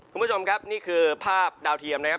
คุณผู้ชมครับนี่คือภาพดาวเทียมนะครับ